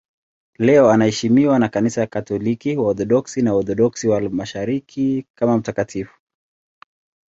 Leo anaheshimiwa na Kanisa Katoliki, Waorthodoksi na Waorthodoksi wa Mashariki kama mtakatifu.